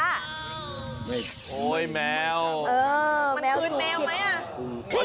โอ้ยแมวแมวสูงฮิตมันคืนแมวไหมอะ